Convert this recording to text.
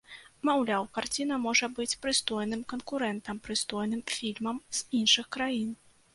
Маўляў, карціна можа быць прыстойным канкурэнтам прыстойным фільмам з іншых краін.